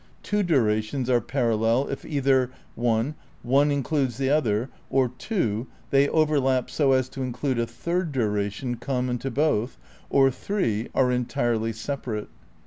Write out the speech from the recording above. Two durations are parallel if either (i) one includes the other, or (ii) they overlap so as to include a third duration common to both, or (iii) are entirely separate.